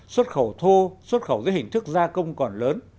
xuất khẩu thô xuất khẩu dưới hình thức gia công còn lớn